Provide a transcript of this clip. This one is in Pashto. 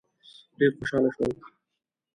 ډېر خوشاله شو.